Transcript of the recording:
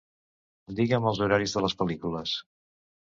Digue'm els horaris de les pel·lícules.